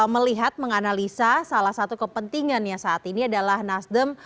melihat menganalisa salah satu kepentingannya saat ini adalah nasdem